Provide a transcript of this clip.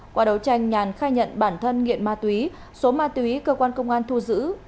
qua đấu tranh nhàn khai nhận bản thân nghiện ma túy số ma túy cơ quan công an thu giữ